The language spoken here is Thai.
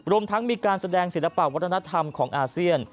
รวมทั้งมีการแสดงศิลปะวัฒนธรรมของอาเซียน